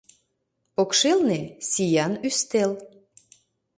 Покшелне — сиян ӱстел.